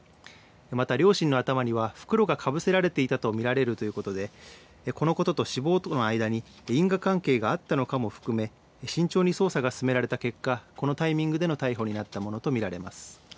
また両親の頭には袋がかぶせられていたと見られるということでこのことと死亡との間に因果関係があったのかも含め慎重に捜査が進められた結果、このタイミングでの逮捕になったものと見られます。